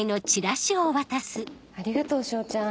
ありがとう彰ちゃん